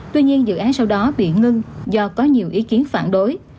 tuy nhiên dự án sau đó bị ngưng do có nhiều ý kiến phản đối